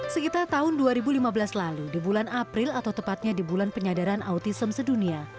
sekitar tahun dua ribu lima belas lalu di bulan april atau tepatnya di bulan penyadaran autism sedunia